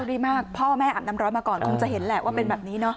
ดีมากพ่อแม่อาบน้ำร้อนมาก่อนคงจะเห็นแหละว่าเป็นแบบนี้เนอะ